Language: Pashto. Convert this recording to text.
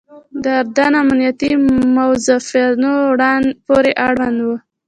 د اردن امنیتي موظفینو پورې اړوند وو.